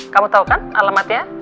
kamu tau kan alamatnya